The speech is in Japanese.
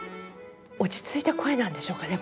落ち着いた声なんでしょうかねこれ。